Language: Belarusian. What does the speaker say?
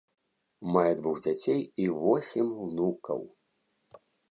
Мае двух дзяцей і восем унукаў.